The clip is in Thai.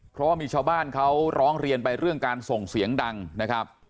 เพราะว่ามีชาวบ้านเขาร้องเรียนไปเรื่องการส่งเสียงดังนะครับ